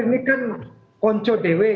ini kan konco dewe